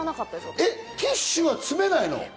ティッシュは詰めないの？